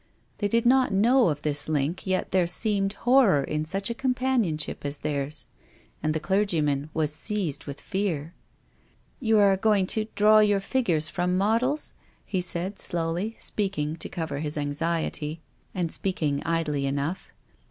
They did not know of this Hnk, yet there seemed horror in such a companionship as theirs, and the clergy man was seized with fear. "You are going to draw your figures from models? "he said, slowly, speaking to cover his anxiety, and speaking idly enough.